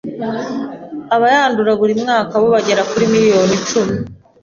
Abayandura buri mwaka bo bagera kuri miliyoni icumi.